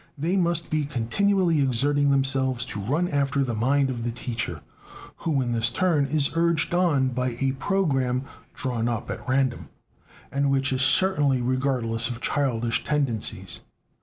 They must be continually exerting themselves to run after the mind of the teacher, who, in his turn, is urged on by a program drawn up at random, and which is certainly regardless of childish tendencies.